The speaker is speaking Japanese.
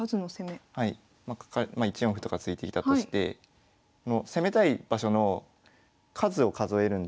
まあ１四歩とか突いてきたとして攻めたい場所の数を数えるんですけど。